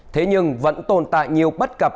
thế nhưng vẫn tồn tại nhiều bắt cặp